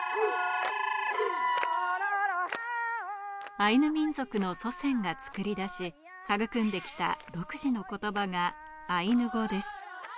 アイヌ民族の祖先が作り出し、育んできた独自の言葉がアイヌ語です。